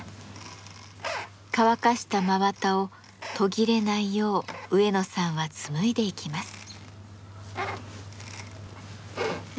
乾かした真綿を途切れないよう植野さんは紡いでいきます。